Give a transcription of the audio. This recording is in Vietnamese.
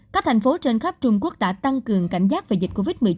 các thành phố trên khắp trung quốc đã tăng cường cảnh giác về dịch covid một mươi chín